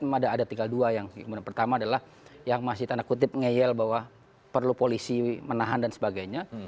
memang ada tinggal dua yang kemudian pertama adalah yang masih tanda kutip ngeyel bahwa perlu polisi menahan dan sebagainya